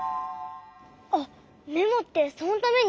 あっメモってそのために？